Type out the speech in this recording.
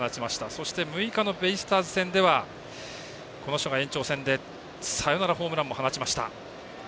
そして６日のベイスターズ戦ではこの人が延長戦でサヨナラホームランも放ちました。